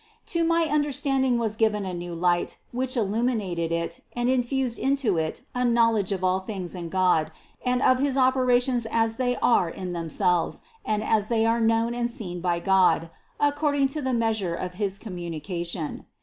To my understanding was given a new light, which illuminated it and infused into it a knowledge of all things in God, and of his operations as they are in themselves and as they are known and seen by God, ac cording to the measure of his communication.